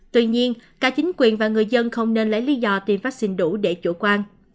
tuy nhiên cả chính quyền và người dân không nên lấy lý do tiêm vaccine đủ để chủ quan